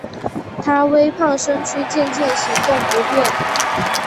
她微胖身躯渐渐行动不便